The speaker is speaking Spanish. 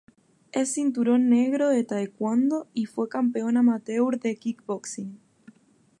Es cinturón negro de taekwondo y fue campeón amateur de kick boxing.